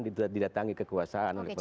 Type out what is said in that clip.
didatangi kekuasaan oleh pemerintah